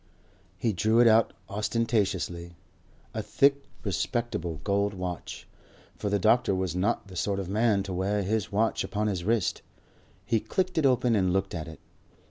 He drew it out ostentatiously, a thick, respectable gold watch, for the doctor was not the sort of man to wear his watch upon his wrist. He clicked it open and looked at it.